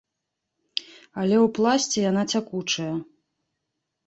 Але ў пласце яна цякучая.